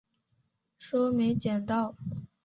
说没捡到